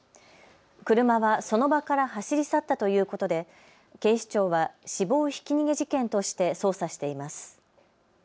車はその場から走り去ったということで警視庁は死亡ひき逃げ事件として捜査しています。